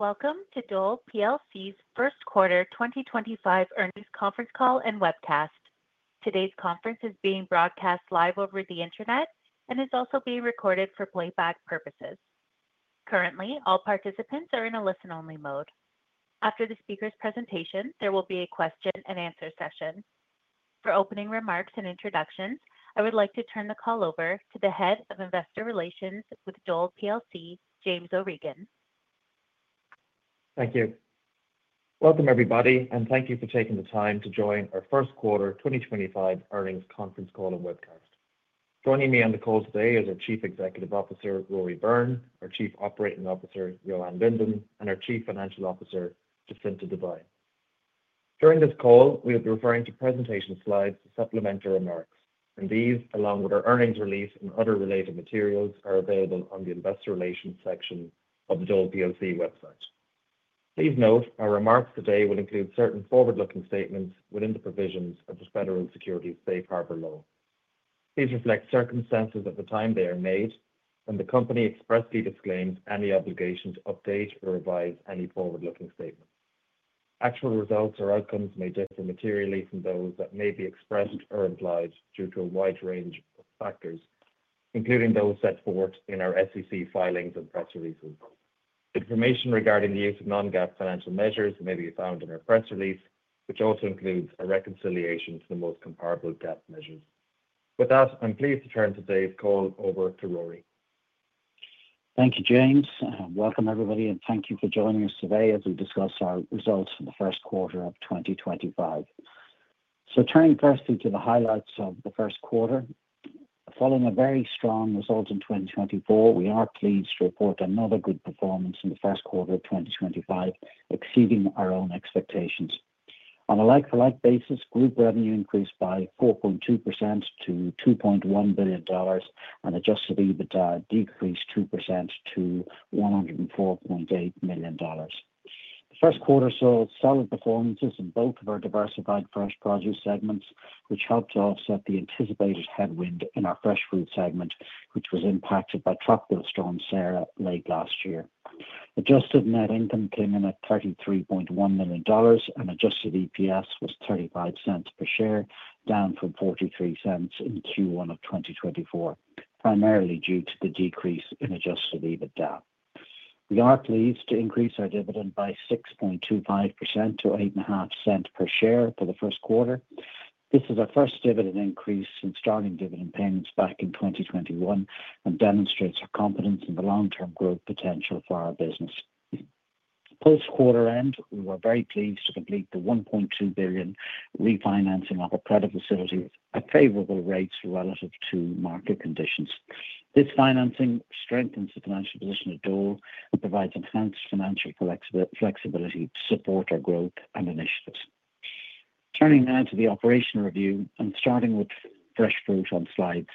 Welcome to Dole PLC's first quarter 2025 earnings conference call and webcast. Today's conference is being broadcast live over the internet and is also being recorded for playback purposes. Currently, all participants are in a listen-only mode. After the speaker's presentation, there will be a question-and-answer session. For opening remarks and introductions, I would like to turn the call over to the Head of Investor Relations with Dole PLC, James O'Regan. Thank you. Welcome, everybody, and thank you for taking the time to join our first quarter 2025 earnings conference call and webcast. Joining me on the call today are our Chief Executive Officer, Rory Byrne, our Chief Operating Officer, Johan Lindén, and our Chief Financial Officer, Jacinta Devine. During this call, we'll be referring to presentation slides and supplementary remarks, and these, along with our earnings release and other related materials, are available on the investor relations section of the Dole website. Please note our remarks today will include certain forward-looking statements within the provisions of the Federal Securities Safe Harbor Law. These reflect circumstances at the time they are made, and the company expressly disclaims any obligation to update or revise any forward-looking statements. Actual results or outcomes may differ materially from those that may be expressed or implied due to a wide range of factors, including those set forth in our SEC filings and press releases. Information regarding the use of non-GAAP financial measures may be found in our press release, which also includes a reconciliation to the most comparable GAAP measures. With that, I'm pleased to turn today's call over to Rory. Thank you, James. Welcome, everybody, and thank you for joining us today as we discuss our results for the first quarter of 2025. Turning firstly to the highlights of the first quarter, following a very strong result in 2024, we are pleased to report another good performance in the first quarter of 2025, exceeding our own expectations. On a like-for-like basis, group revenue increased by 4.2% to $2.1 billion, and adjusted EBITDA decreased 2% to $104.8 million. The first quarter saw solid performances in both of our diversified fresh produce segments, which helped to offset the anticipated headwind in our fresh food segment, which was impacted by Tropical Storm Sara late last year. Adjusted net income came in at $33.1 million, and adjusted EPS was $0.35 per share, down from $0.43 in Q1 of 2024, primarily due to the decrease in adjusted EBITDA. We are pleased to increase our dividend by 6.25% to $0.85 per share for the first quarter. This is our first dividend increase since starting dividend payments back in 2021 and demonstrates our confidence in the long-term growth potential for our business. Post-quarter end, we were very pleased to complete the $1.2 billion refinancing of our credit facility at favorable rates relative to market conditions. This financing strengthens the financial position of Dole and provides enhanced financial flexibility to support our growth and initiatives. Turning now to the operational review and starting with fresh fruit on slide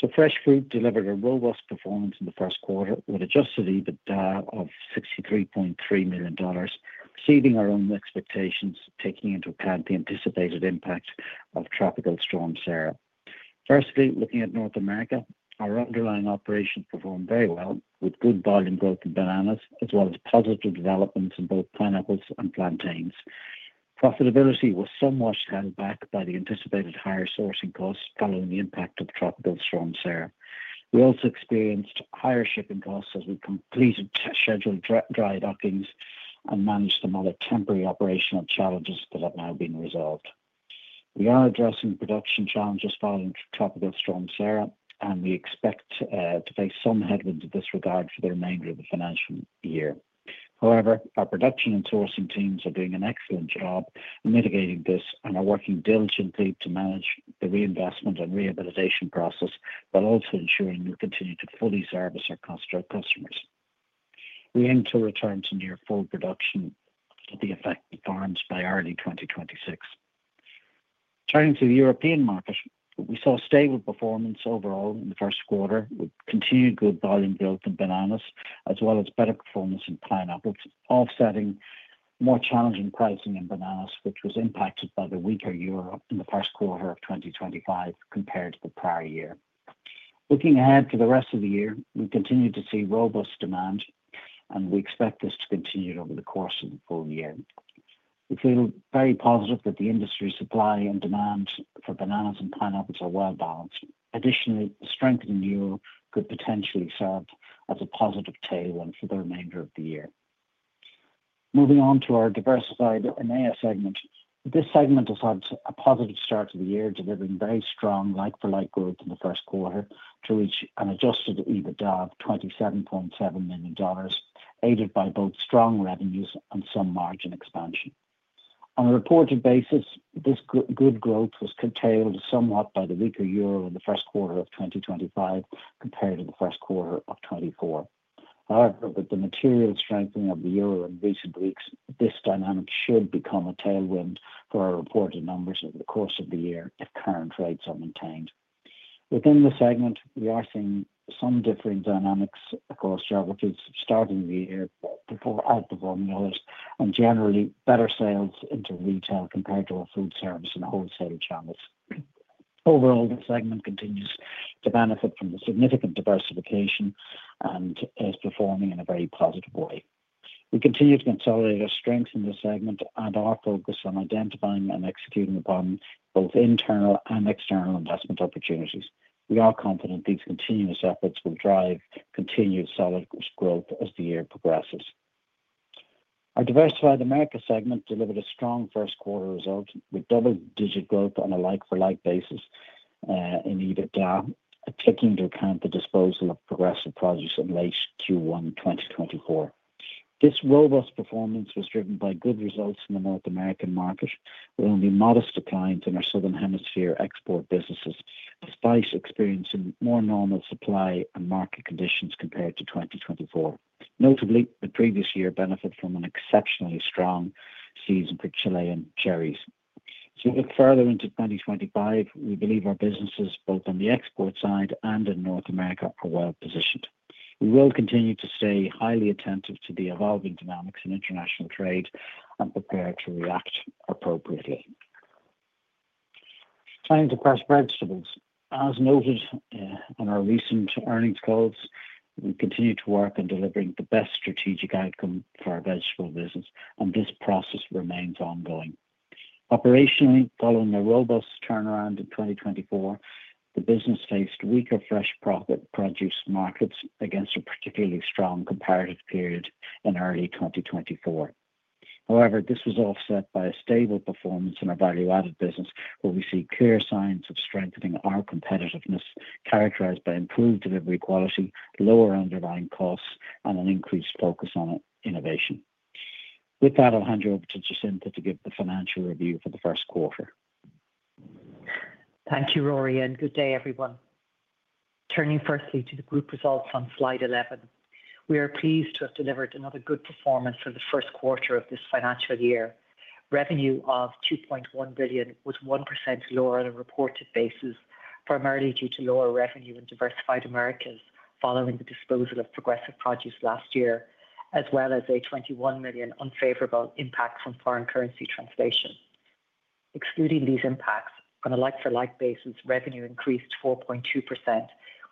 six. Fresh fruit delivered a robust performance in the first quarter with adjusted EBITDA of $63.3 million, exceeding our own expectations, taking into account the anticipated impact of Tropical Storm Sara. Firstly, looking at North America, our underlying operations performed very well with good volume growth in bananas, as well as positive developments in both pineapples and plantains. Profitability was somewhat held back by the anticipated higher sourcing costs following the impact of Tropical Storm Sara. We also experienced higher shipping costs as we completed scheduled dry dockings and managed some other temporary operational challenges that have now been resolved. We are addressing production challenges following Tropical Storm Sara, and we expect to face some headwinds in this regard for the remainder of the financial year. However, our production and sourcing teams are doing an excellent job mitigating this and are working diligently to manage the reinvestment and rehabilitation process, while also ensuring we continue to fully service our customers. We aim to return to near full production at the effective times by early 2026. Turning to the European market, we saw stable performance overall in the first quarter with continued good volume growth in bananas, as well as better performance in pineapples, offsetting more challenging pricing in bananas, which was impacted by the weaker euro in the first quarter of 2025 compared to the prior year. Looking ahead to the rest of the year, we continue to see robust demand, and we expect this to continue over the course of the full year. We feel very positive that the industry supply and demand for bananas and pineapples are well balanced. Additionally, a strengthened euro could potentially serve as a positive tailwind for the remainder of the year. Moving on to our diversified EMEA segment, this segment has had a positive start to the year, delivering very strong like-for-like growth in the first quarter to reach an adjusted EBITDA of $27.7 million, aided by both strong revenues and some margin expansion. On a reported basis, this good growth was curtailed somewhat by the weaker euro in the first quarter of 2025 compared to the first quarter of 2024. However, with the material strengthening of the euro in recent weeks, this dynamic should become a tailwind for our reported numbers over the course of the year if current rates are maintained. Within the segment, we are seeing some differing dynamics across geographies starting the year before outperforming others and generally better sales into retail compared to our food service and wholesale channels. Overall, the segment continues to benefit from the significant diversification and is performing in a very positive way. We continue to consolidate our strengths in this segment and are focused on identifying and executing upon both internal and external investment opportunities. We are confident these continuous efforts will drive continued solid growth as the year progresses. Our diversified Americas segment delivered a strong first quarter result with double-digit growth on a like-for-like basis in EBITDA, taking into account the disposal of Progressive Produce in late Q1 2024. This robust performance was driven by good results in the North American market, with only modest declines in our Southern Hemisphere export businesses, despite experiencing more normal supply and market conditions compared to 2023. Notably, the previous year benefited from an exceptionally strong season for Chilean cherries. As we look further into 2025, we believe our businesses, both on the export side and in North America, are well positioned. We will continue to stay highly attentive to the evolving dynamics in international trade and prepare to react appropriately. Turning to fresh vegetables, as noted in our recent earnings calls, we continue to work on delivering the best strategic outcome for our vegetable business, and this process remains ongoing. Operationally, following a robust turnaround in 2024, the business faced weaker fresh produce markets against a particularly strong comparative period in early 2024. However, this was offset by a stable performance in our value-added business, where we see clear signs of strengthening our competitiveness, characterized by improved delivery quality, lower underlying costs, and an increased focus on innovation. With that, I'll hand over to Jacinta to give the financial review for the first quarter. Thank you, Rory, and good day, everyone. Turning firstly to the group results on slide 11, we are pleased to have delivered another good performance for the first quarter of this financial year. Revenue of $2.1 billion was 1% lower on a reported basis, primarily due to lower revenue in diversified Americas following the disposal of Progressive Produce last year, as well as a $21 million unfavorable impact from foreign currency translation. Excluding these impacts, on a like-for-like basis, revenue increased 4.2%,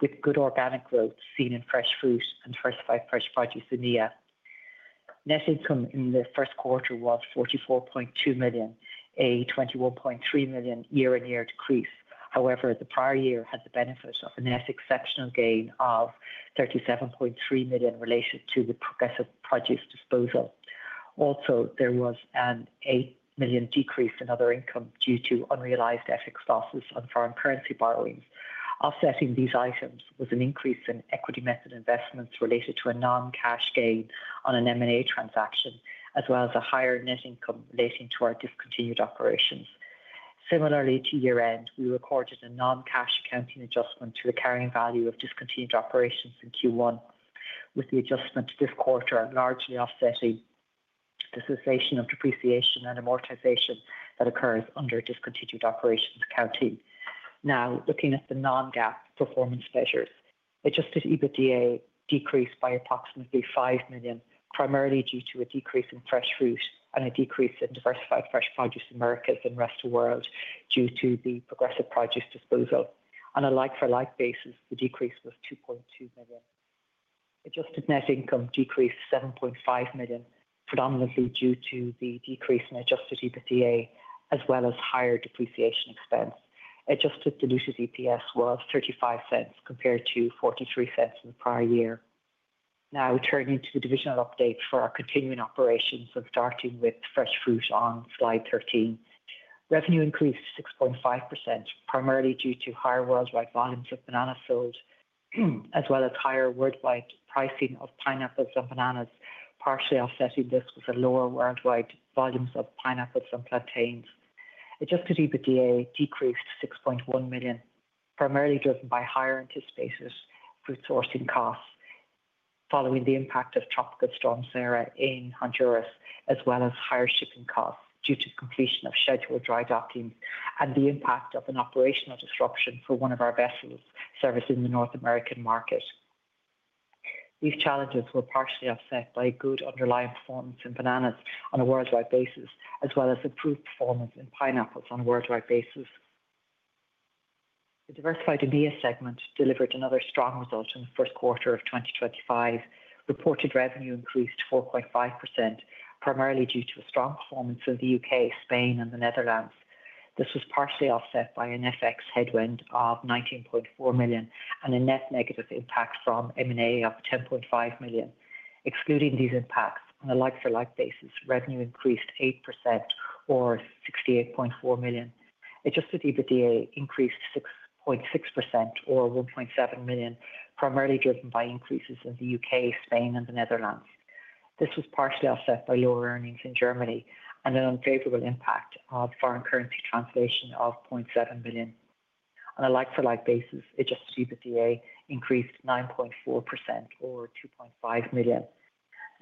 with good organic growth seen in fresh fruit and diversified fresh produce in EMEA. Net income in the first quarter was $44.2 million, a $21.3 million year-on-year decrease. However, the prior year had the benefit of an exceptional gain of $37.3 million related to the Progressive Produce disposal. Also, there was an $8 million decrease in other income due to unrealized FX losses on foreign currency borrowings. Offsetting these items was an increase in equity method investments related to a non-cash gain on an M&A transaction, as well as a higher net income relating to our discontinued operations. Similarly, to year-end, we recorded a non-cash accounting adjustment to the carrying value of discontinued operations in Q1, with the adjustment this quarter largely offsetting the cessation of depreciation and amortization that occurs under discontinued operations accounting. Now, looking at the non-GAAP performance measures, adjusted EBITDA decreased by approximately $5 million, primarily due to a decrease in fresh fruit and a decrease in diversified fresh produce in Americas and the rest of the world due to the Progressive Produce disposal. On a like-for-like basis, the decrease was $2.2 million. Adjusted net income decreased $7.5 million, predominantly due to the decrease in adjusted EBITDA, as well as higher depreciation expense. Adjusted diluted EPS was $0.35 compared to $0.43 in the prior year. Now, turning to the divisional updates for our continuing operations, starting with fresh fruit on slide 13. Revenue increased 6.5%, primarily due to higher worldwide volumes of bananas sold, as well as higher worldwide pricing of pineapples and bananas, partially offsetting this with lower worldwide volumes of pineapples and plantains. Adjusted EBITDA decreased $6.1 million, primarily driven by higher anticipated food sourcing costs following the impact of Tropical Storm Sara in Honduras, as well as higher shipping costs due to completion of scheduled dry docking and the impact of an operational disruption for one of our vessels servicing the North American market. These challenges were partially offset by good underlying performance in bananas on a worldwide basis, as well as improved performance in pineapples on a worldwide basis. The diversified EMEA segment delivered another strong result in the first quarter of 2025. Reported revenue increased 4.5%, primarily due to a strong performance in the U.K., Spain, and the Netherlands. This was partially offset by an FX headwind of $19.4 million and a net negative impact from M&A of $10.5 million. Excluding these impacts, on a like-for-like basis, revenue increased 8%, or $68.4 million. Adjusted EBITDA increased 6.6%, or $1.7 million, primarily driven by increases in the U.K., Spain, and the Netherlands. This was partially offset by lower earnings in Germany and an unfavorable impact of foreign currency translation of $0.7 million. On a like-for-like basis, adjusted EBITDA increased 9.4%, or $2.5 million.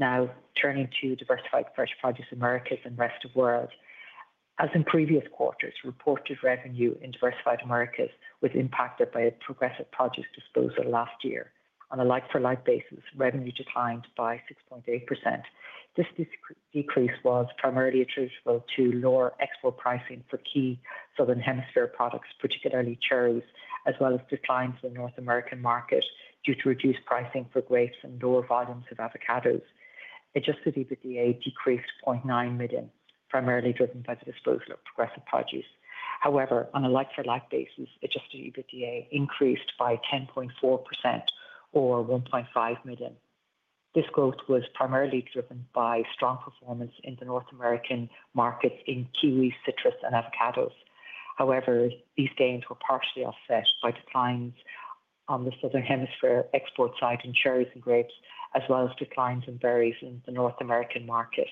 Now, turning to diversified fresh produce in Americas and the rest of the world. As in previous quarters, reported revenue in diversified Americas was impacted by a Progressive Produce disposal last year. On a like-for-like basis, revenue declined by 6.8%. This decrease was primarily attributable to lower export pricing for key Southern Hemisphere products, particularly cherries, as well as declines in the North American market due to reduced pricing for grapes and lower volumes of avocados. Adjusted EBITDA decreased $0.9 million, primarily driven by the disposal of Progressive Produce. However, on a like-for-like basis, adjusted EBITDA increased by 10.4%, or $1.5 million. This growth was primarily driven by strong performance in the North American markets in kiwi, citrus, and avocados. However, these gains were partially offset by declines on the Southern Hemisphere export side in cherries and grapes, as well as declines in berries in the North American markets.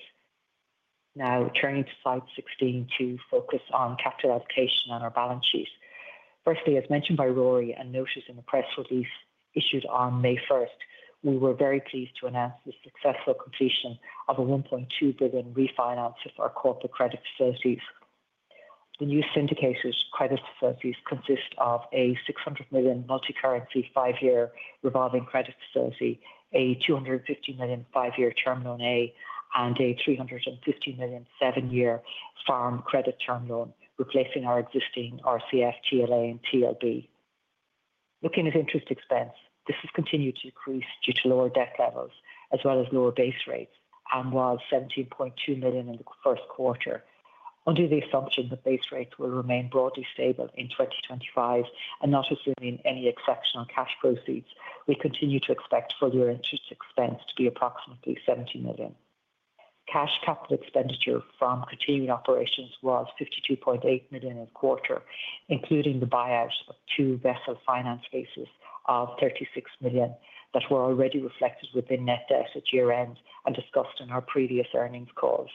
Now, turning to slide 16 to focus on capital allocation on our balance sheets. Firstly, as mentioned by Rory and noted in the press release issued on May 1st, we were very pleased to announce the successful completion of a $1.2 billion refinance of our corporate credit facilities. The new syndicated credit facilities consist of a $600 million multi-currency five-year revolving credit facility, a $250 million five-year term loan A, and a $350 million seven-year farm credit term loan B, replacing our existing RCF, TLA, and TLB. Looking at interest expense, this has continued to decrease due to lower debt levels, as well as lower base rates, and was $17.2 million in the first quarter. Under the assumption that base rates will remain broadly stable in 2025 and not have driven any exceptional cash proceeds, we continue to expect further interest expense to be approximately $70 million. Cash capital expenditure from continuing operations was $52.8 million in the quarter, including the buyout of two vessel finance cases of $36 million that were already reflected within net debt at year-end and discussed in our previous earnings calls.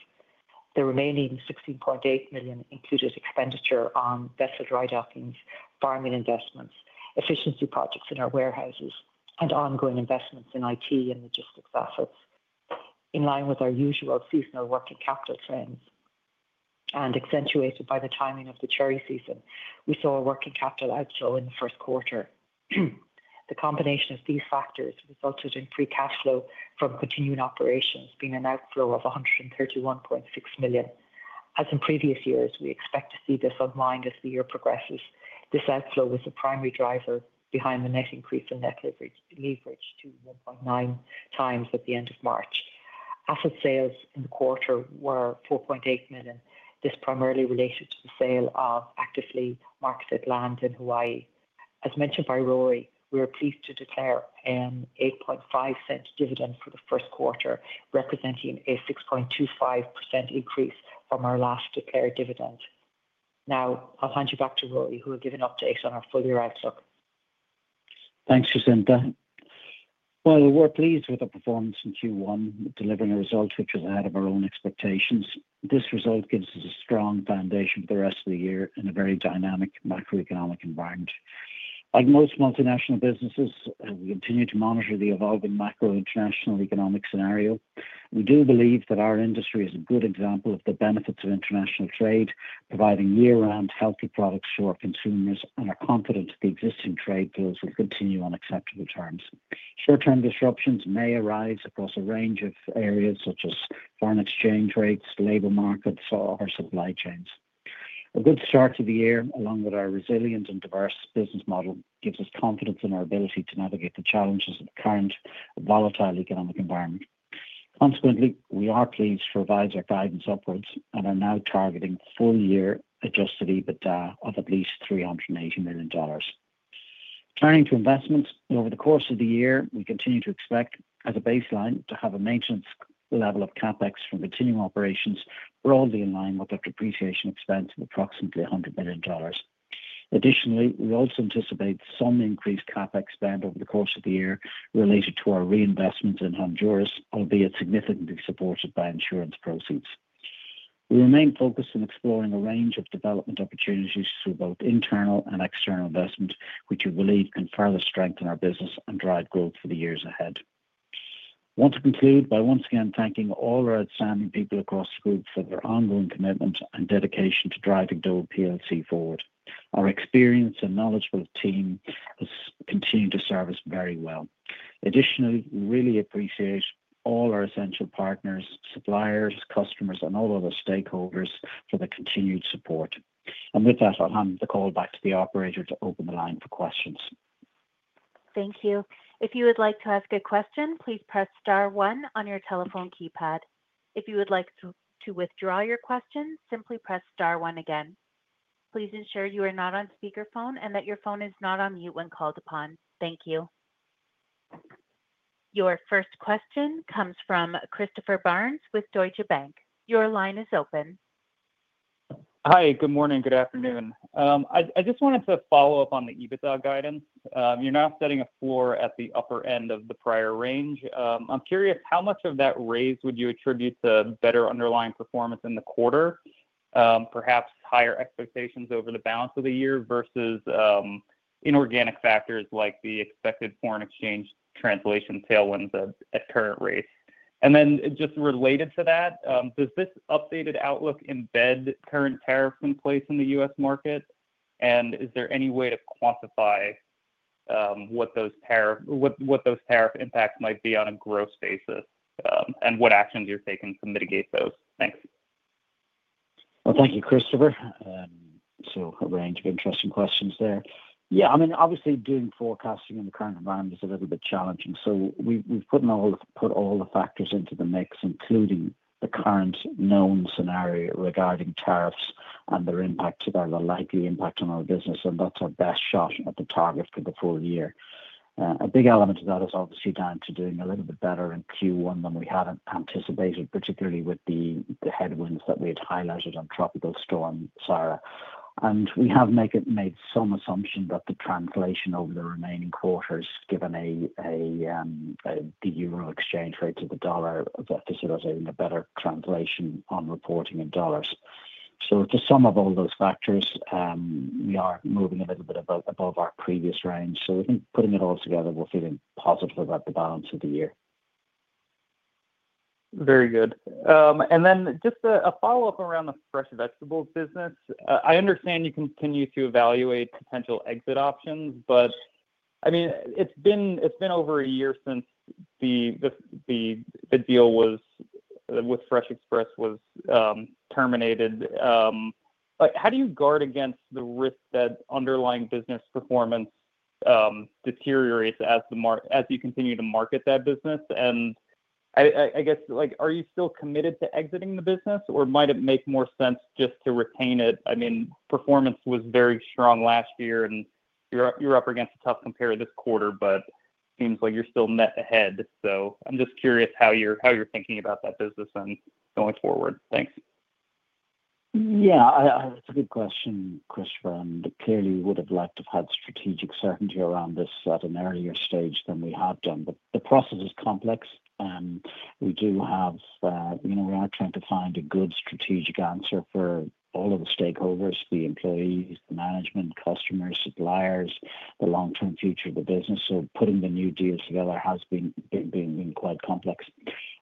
The remaining $16.8 million included expenditure on vessel dry dockings, farming investments, efficiency projects in our warehouses, and ongoing investments in IT and logistics assets. In line with our usual seasonal working capital trends and accentuated by the timing of the cherry season, we saw a working capital outflow in the first quarter. The combination of these factors resulted in free cash flow from continuing operations being an outflow of $131.6 million. As in previous years, we expect to see this aligned as the year progresses. This outflow was the primary driver behind the net increase in net leverage to 1.9 times at the end of March. Asset sales in the quarter were $4.8 million. This is primarily related to the sale of actively marketed land in Hawaii. As mentioned by Rory, we are pleased to declare an $8.50 dividend for the first quarter, representing a 6.25% increase from our last declared dividend. Now, I'll hand you back to Rory, who will give an update on our full year outlook. Thanks, Jacinta. We are pleased with our performance in Q1, delivering a result which was ahead of our own expectations. This result gives us a strong foundation for the rest of the year in a very dynamic macroeconomic environment. Like most multinational businesses, we continue to monitor the evolving macro-international economic scenario. We do believe that our industry is a good example of the benefits of international trade, providing year-round healthy products to our consumers, and are confident that the existing trade deals will continue on acceptable terms. Short-term disruptions may arise across a range of areas, such as foreign exchange rates, the labor markets, or our supply chains. A good start to the year, along with our resilient and diverse business model, gives us confidence in our ability to navigate the challenges of the current volatile economic environment. Consequently, we are pleased to revise our guidance upwards and are now targeting full-year adjusted EBITDA of at least $380 million. Turning to investments, over the course of the year, we continue to expect, as a baseline, to have a maintenance level of CapEx from continuing operations, broadly in line with our depreciation expense of approximately $100 million. Additionally, we also anticipate some increased CapEx spend over the course of the year related to our reinvestments in Honduras, albeit significantly supported by insurance proceeds. We remain focused on exploring a range of development opportunities through both internal and external investment, which we believe can further strengthen our business and drive growth for the years ahead. I want to conclude by once again thanking all our outstanding people across the group for their ongoing commitment and dedication to driving Dole forward. Our experienced and knowledgeable team have continued to serve us very well. Additionally, we really appreciate all our essential partners, suppliers, customers, and all other stakeholders for the continued support. With that, I'll hand the call back to the operator to open the line for questions. Thank you. If you would like to ask a question, please press star one on your telephone keypad. If you would like to withdraw your question, simply press star one again. Please ensure you are not on speakerphone and that your phone is not on mute when called upon. Thank you. Your first question comes from Christopher Barnes with Deutsche Bank. Your line is open. Hi, good morning, good afternoon. I just wanted to follow up on the EBITDA guidance. You're now setting a floor at the upper end of the prior range. I'm curious, how much of that raise would you attribute to better underlying performance in the quarter, perhaps higher expectations over the balance of the year versus inorganic factors like the expected foreign exchange translation tailwinds at current rates? Just related to that, does this updated outlook embed current tariffs in place in the U.S. market? Is there any way to quantify what those tariff impacts might be on a gross basis and what actions you're taking to mitigate those? Thanks. Thank you, Christopher. A range of interesting questions there. Yeah, I mean, obviously, doing forecasting in the current environment is a little bit challenging. We have put all the factors into the mix, including the current known scenario regarding tariffs and their likely impact on our business. That is our best shot at the target for the full year. A big element of that is obviously down to doing a little bit better in Q1 than we had anticipated, particularly with the headwinds that we had highlighted on Tropical Storm Sara. We have made some assumption that the translation over the remaining quarters, given the euro exchange rate to the dollar, is actually resulting in a better translation on reporting in dollars. To sum up all those factors, we are moving a little bit above our previous range. I think putting it all together, we're feeling positive about the balance of the year. Very good. Just a follow-up around the fresh vegetable business. I understand you continue to evaluate potential exit options, but I mean, it's been over a year since the deal with Fresh Express was terminated. How do you guard against the risk that underlying business performance deteriorates as you continue to market that business? I guess, are you still committed to exiting the business, or might it make more sense just to retain it? I mean, performance was very strong last year, and you're up against a tough comparison this quarter, but it seems like you're still net ahead. I'm just curious how you're thinking about that business and going forward. Thanks. Yeah, that's a good question, Christopher. Clearly, we would have liked to have had strategic certainty around this at an earlier stage than we have done. The process is complex. We are trying to find a good strategic answer for all of the stakeholders: the employees, the management, customers, suppliers, the long-term future of the business. Putting the new deals together has been quite complex.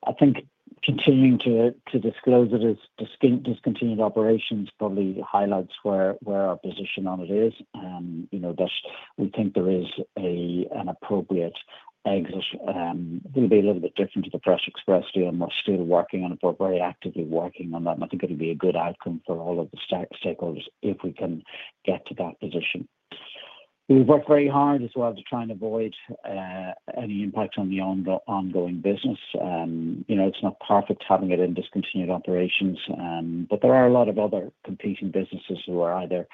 I think continuing to disclose it as discontinued operations probably highlights where our position on it is. We think there is an appropriate exit. It will be a little bit different to the Fresh Express deal. We are still working on it, but we are very actively working on that. I think it will be a good outcome for all of the stakeholders if we can get to that position. We've worked very hard as well to try and avoid any impact on the ongoing business. It's not perfect having it in discontinued operations. There are a lot of other competing businesses who are either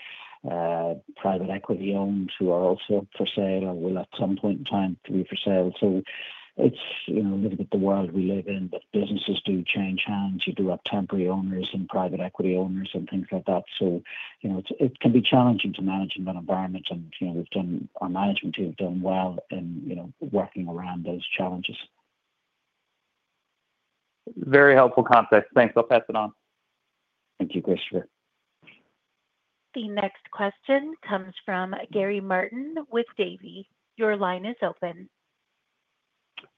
private equity-owned who are also for sale or will at some point in time be for sale. It's a little bit the world we live in. Businesses do change hands. You do have temporary owners and private equity owners and things like that. It can be challenging to manage in that environment. Our management team have done well in working around those challenges. Very helpful context. Thanks. I'll pass it on. Thank you, Christopher. The next question comes from Gary Martin with Davy. Your line is open.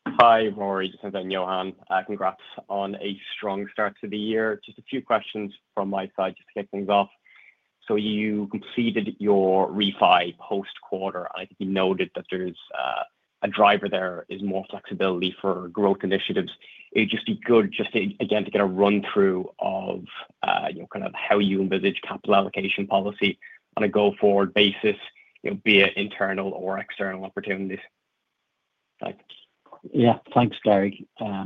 Hi, Rory and then Johan. Congrats on a strong start to the year. Just a few questions from my side just to kick things off. You completed your refi post-quarter, and I think you noted that there's a driver there is more flexibility for growth initiatives. It would just be good just again to get a run-through of kind of how you envisage capital allocation policy on a go-forward basis, be it internal or external opportunities. Yeah, thanks, Gary. Yeah,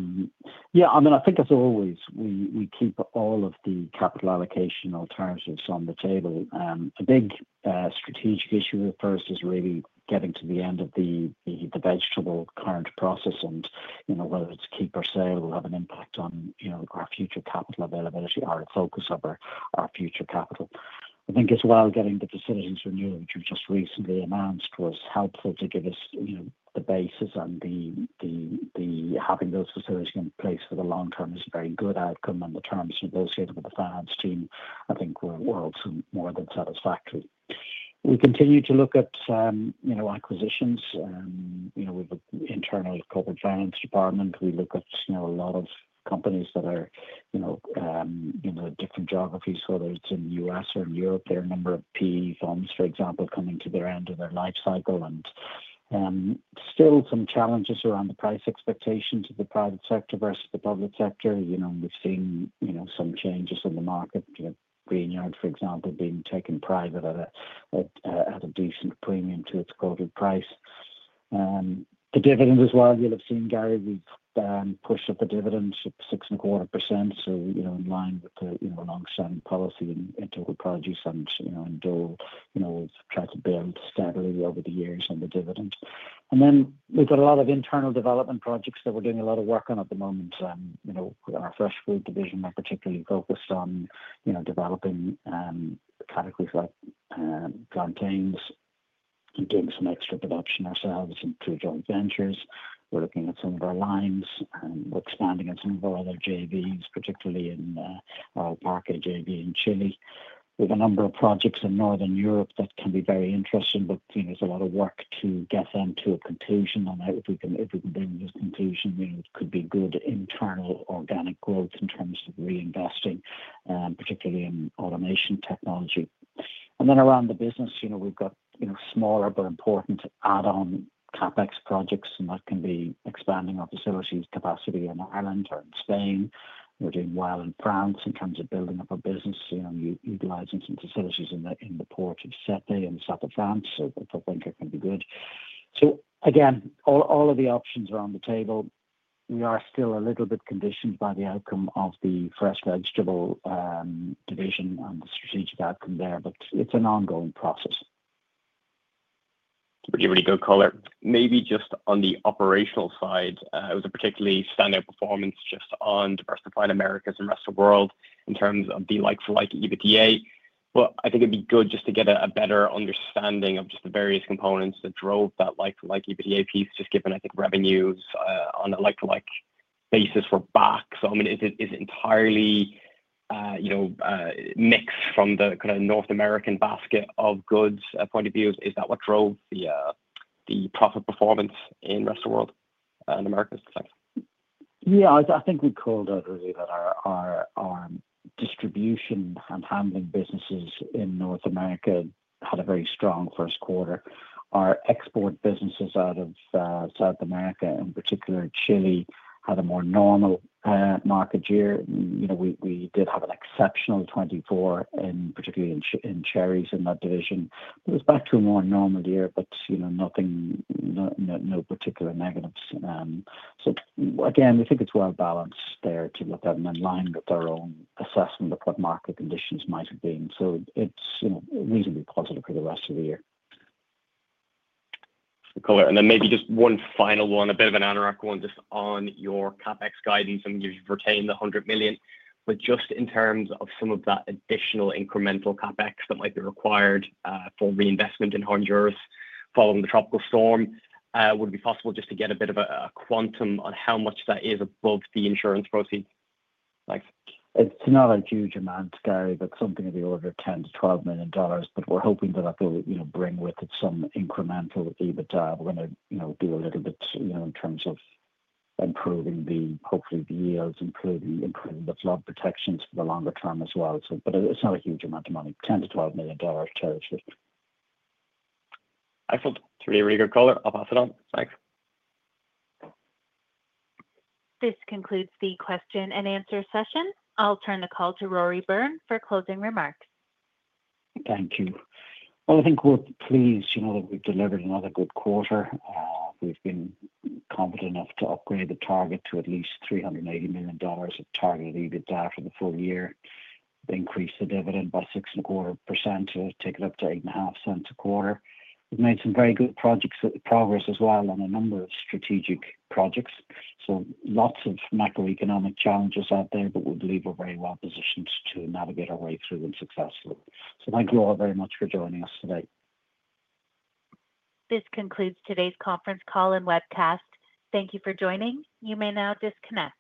I mean, I think as always, we keep all of the capital allocation alternatives on the table. A big strategic issue of ours is really getting to the end of the vegetable current process, and whether it's keep or sale will have an impact on our future capital availability or the focus of our future capital. I think as well, getting the facilities renewed, which we just recently announced, was helpful to give us the basis on having those facilities in place for the long term. It's a very good outcome, and the terms associated with the finance team, I think, were also more than satisfactory. We continue to look at acquisitions. We have an internal corporate finance department. We look at a lot of companies that are in different geographies, whether it's in the U.S. or in Europe. There are a number of PE firms, for example, coming to the end of their life cycle. There are still some challenges around the price expectations of the private sector versus the public sector. We've seen some changes in the market, Greenyard, for example, being taken private at a decent premium to its quoted price. The dividend as well, you'll have seen, Gary, we've pushed up a dividend of 6.25%. In line with the long-standing policy in Total Produce and in Dole, it has been stable over the years on the dividend. We have a lot of internal development projects that we're doing a lot of work on at the moment. In our Fresh Fruit division, I'm particularly focused on developing categories like plantains. We're doing some extra development ourselves and in two joint ventures. We're looking at some of our lines. We're expanding on some of our other JVs, particularly in our El Parque JV in Chile. We have a number of projects in Northern Europe that can be very interesting, but there's a lot of work to get them to a conclusion. If we can bring them to a conclusion, it could be good internal organic growth in terms of reinvesting, particularly in automation technology. Around the business, we've got smaller but important add-on CapEx projects, and that can be expanding our facilities capacity in Ireland and Spain. We're doing well in France in terms of building up our business, utilizing some facilities in the port of Sète in the south of France. I think it can be good. Again, all of the options are on the table. We are still a little bit conditioned by the outcome of the Fresh Vegetable division and the strategic outcome there, but it's an ongoing process. It would be a really good color. Maybe just on the operational side, it was a particularly standout performance just on Diversified Americas and rest of the world in terms of the like-for-like EBITDA. I think it'd be good just to get a better understanding of just the various components that drove that like-for-like EBITDA piece, just given, I think, revenues on a like-for-like basis were back. I mean, is it entirely mixed from the kind of North American basket of goods point of view? Is that what drove the profit performance in rest of the world and America's perspective? Yeah, I think we called out earlier that our distribution and handling businesses in North America had a very strong first quarter. Our export businesses out of South America, in particular Chile, had a more normal market year. And we did have an exceptional 2024, particularly in cherries in that division. It was back to a more normal year, but no particular negatives. I think it's well balanced there to look at and align with our own assessment of what market conditions might have been. It's reasonably positive for the rest of the year. Maybe just one final one, a bit of an anorak one, just on your CapEx guidance and you've retained the $100 million. Just in terms of some of that additional incremental CapEx that might be required for reinvestment in Honduras following the tropical storm, would it be possible just to get a bit of a quantum on how much that is above the insurance proceeds? Thanks. It's not a huge amount, Gary, but something in the order of $10-$12 million. We're hoping that I think it will bring with it some incremental EBITDA. We're going to do a little bit in terms of improving the, hopefully, the yields, including improving the flood protections for the longer term as well. It's not a huge amount of money, $10-$12 million cherry trees. Excellent. It's a really good color. I'll pass it on. Thanks. This concludes the question and answer session. I'll turn the call to Rory Byrne for closing remarks. Thank you. I think we're pleased that we've delivered another good quarter. We've been confident enough to upgrade the target to at least $380 million of targeted EBITDA for the full year, increase the dividend by 6.25%, take it up to $0.085 a quarter. We've made some very good progress as well on a number of strategic projects. Lots of macroeconomic challenges out there, but we believe we're very well positioned to navigate our way through them successfully. Thank you all very much for joining us today. This concludes today's conference call and webcast. Thank you for joining. You may now disconnect.